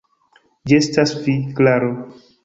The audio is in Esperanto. Ĝi estas vi, Klaro!